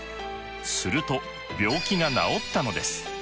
すると病気が治ったのです。